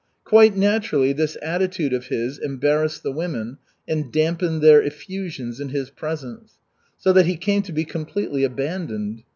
Quite naturally this attitude of his embarrassed the women and dampened their effusions in his presence, so that he came to be completely abandoned.